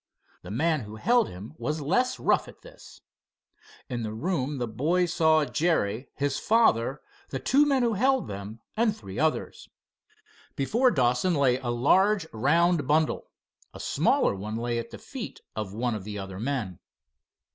The man who held him was less rough at this. In the room the boys saw Jerry, his father, the two men who held them and three others. Before Dawson lay a large, round bundle. A smaller one lay at the feet of one of the other men.